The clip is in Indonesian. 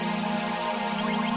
tidak tar aku mau ke rumah